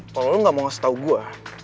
kalo lo gak mau ngasih tau gue